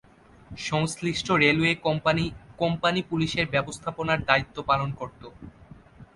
সংশ্লিষ্ট railway company ’company পুলিশে’র ব্যবস্থাপনার দায়িত্ব পালন করত।